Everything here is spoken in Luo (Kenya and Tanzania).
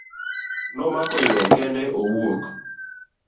Nomako yoo kendo owuok.